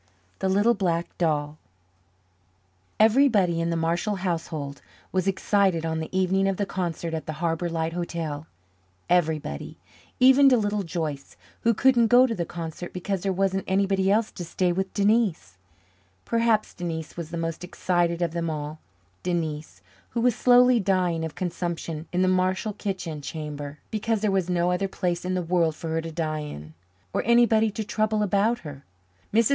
The Little Black Doll Everybody in the Marshall household was excited on the evening of the concert at the Harbour Light Hotel everybody, even to Little Joyce, who couldn't go to the concert because there wasn't anybody else to stay with Denise. Perhaps Denise was the most excited of them all Denise, who was slowly dying of consumption in the Marshall kitchen chamber because there was no other place in the world for her to die in, or anybody to trouble about her. Mrs.